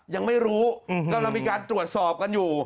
ยังไม่รู้กำลังมีการตรวจสอบกันอยู่